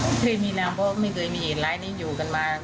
เคยมีนางเพราะไม่เคยมีเหตุร้ายนี้อยู่กันมา